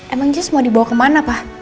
emang jas mau dibawa kemana pak